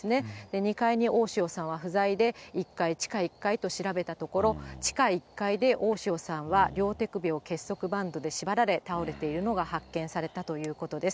２階に大塩さんは不在で、１階、地下１階と調べたところ、地下１階で大塩さんは、両手首を結束バンドで縛られ、倒れているのが発見されたということです。